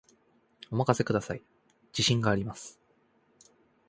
お任せください、自信があります